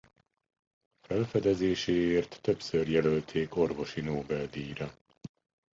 Felfedezéséért többször jelölték orvosi Nobel-díjra.